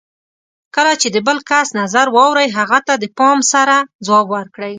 کله چې د بل کس نظر واورئ، هغه ته د پام سره ځواب ورکړئ.